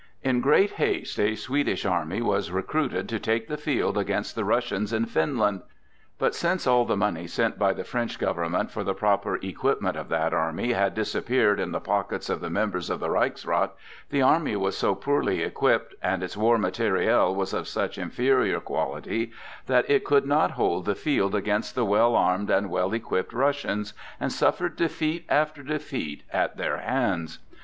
In great haste a Swedish army was recruited to take the field against the Russians in Finland; but since all the money sent by the French government for the proper equipment of that army had disappeared in the pockets of the members of the Reichsrath, the army was so poorly equipped and its war material was of such inferior quality that it could not hold the field against the well armed and well equipped Russians, and suffered defeat after defeat at their hands.